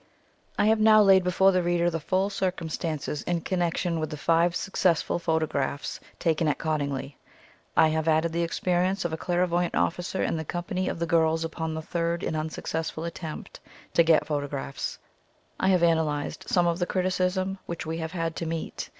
I have now laid before the reader the full circumstances in connection with the five successful photographs taken at Cottingley. 194 THE THEOSOPHIC VIEW OF FAIRIES I have added the experience of a clairvoyant officer in the company of the girls upon the third and unsuccessful attempt to get photo graphs. I have analysed some of the criti cism which we have had to meet.